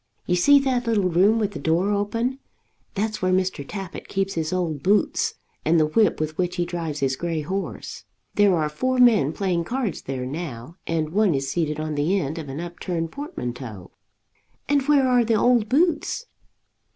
You see that little room with the door open. That's where Mr. Tappitt keeps his old boots and the whip with which he drives his grey horse. There are four men playing cards there now, and one is seated on the end of an upturned portmanteau." "And where are the old boots?"